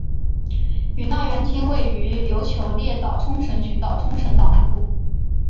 与那原町位于琉球列岛冲绳群岛冲绳岛南部。